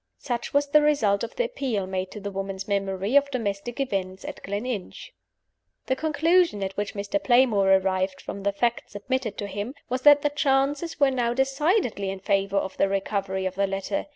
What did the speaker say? Such was the result of the appeal made to the woman's memory of domestic events at Gleninch. The conclusion at which Mr. Playmore arrived, from the facts submitted to him, was that the chances were now decidedly in favor of the recovery of the letter.